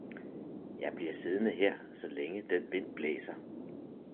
Jeg bliver siddende her, så længe den vind blæser.